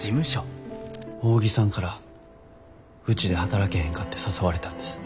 扇さんからうちで働けへんかて誘われたんです。